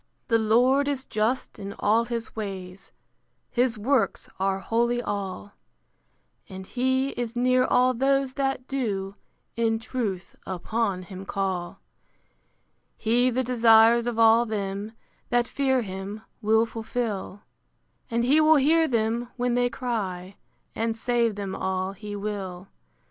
The Lord is just in all his ways: His works are holy all: And he is near all those that do In truth upon him call. He the desires of all them That fear him, will fulfil; And he will hear them when they cry, And save them all he will.